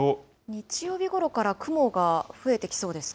日曜日ごろから雲が増えてきそうですか。